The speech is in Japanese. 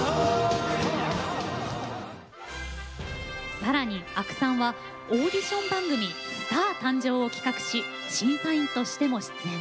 さらに阿久さんはオーディション番組「スター誕生！」を企画し審査員としても出演。